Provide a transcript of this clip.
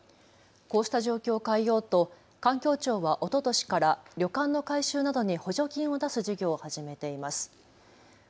こうした状況を変えようと環境庁はおととしから旅館の改修などに補助金を出す事業を始めています。